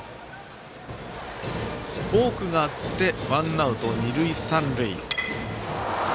ボークがあってワンアウト、二塁三塁。